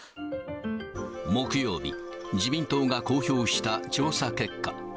木曜日、自民党が公表した調査結果。